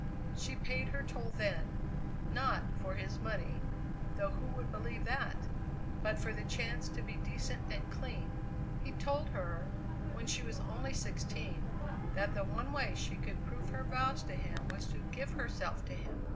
She paid her toll then, not for his money though who would believe that? but for the chance to be decent and clean. He told her, when she was only sixteen, that the one way she could prove her vows to him was to give herself to him.